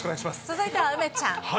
続いては梅ちゃん。